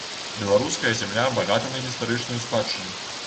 Беларуская зямля багата на гістарычную спадчыну.